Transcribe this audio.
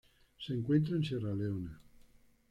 Se encuentra en Sierra Leona.